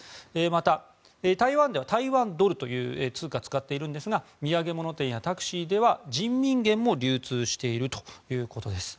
また、台湾では台湾ドルという通貨を使っているんですが土産物店やタクシーでは人民元も流通しているということです。